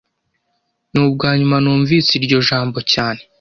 Nubwanyuma numvise iryo jambo cyane